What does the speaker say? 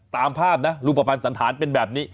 ตามภาพนะรูปภัณฑ์สันธารเป็นแบบนี้